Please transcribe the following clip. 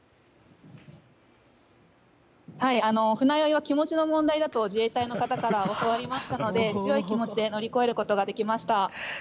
船酔いは気持ちの問題だと自衛隊の方から教わりましたので強い気持ちで乗り越えることができました。